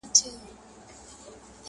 آب حیات د بختورو نصیب سینه،